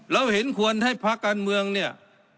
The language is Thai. เราเห็นควรให้พักการเมืองเนี่ย